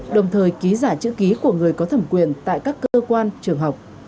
đồng thời ký giả chữ ký của người có thẩm quyền tại các cơ quan trường học